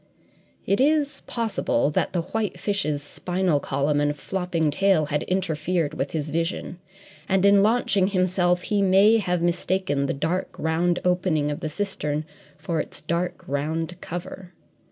It is possible that the white fish's spinal column and flopping tail had interfered with his vision, and in launching himself he may have mistaken the dark, round opening of the cistern for its dark, round cover.